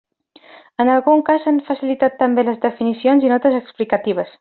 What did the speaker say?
En algun cas s'han facilitat també les definicions i notes explicatives.